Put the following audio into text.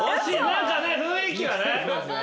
何か雰囲気はね。